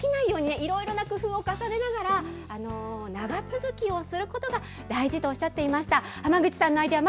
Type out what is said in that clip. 飽きないようにいろいろな工夫を重ねながら、長続きをすることが大事とおっしゃっていました。